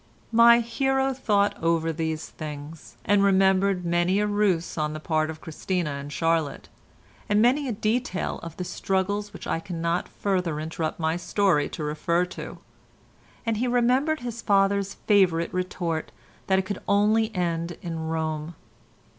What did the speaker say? My hero thought over these things, and remembered many a ruse on the part of Christina and Charlotte, and many a detail of the struggle which I cannot further interrupt my story to refer to, and he remembered his father's favourite retort that it could only end in Rome.